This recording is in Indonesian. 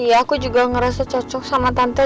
iya aku juga ngerasa cocok sama tante